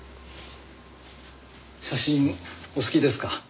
写真お好きですか？